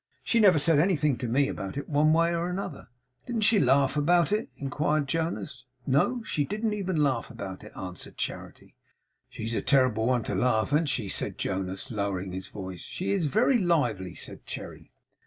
'She never said anything to me about it, one way or other.' 'Didn't she laugh about it?' inquired Jonas. 'No. She didn't even laugh about it,' answered Charity. 'She's a terrible one to laugh, an't she?' said Jonas, lowering his voice. 'She is very lively,' said Cherry.